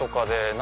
何？